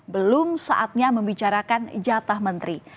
belum saatnya membicarakan jatah menteri